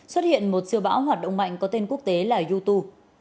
xuất hiện một siêu bão hoạt động mạnh có tên quốc tế là yutu